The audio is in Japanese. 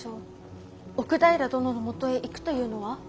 奥平殿のもとへ行くというのは？